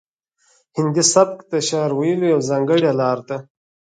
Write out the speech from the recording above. هندي سبک د شعر ویلو یوه ځانګړې لار ده